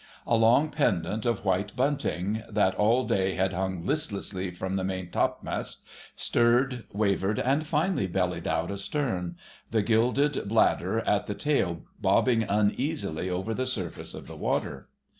A long pendant of white bunting, that all day had hung listlessly from the main top mast, stirred, wavered, and finally bellied out astern, the gilded bladder at the tail bobbing uneasily over the surface of the water.